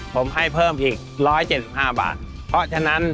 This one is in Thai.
ผมให้เพิ่มอีกร้อยเจ็ดสิบห้าบาทเพราะฉะนั้น